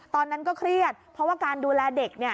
ตอนนั้นก็เครียดเพราะว่าการดูแลเด็ก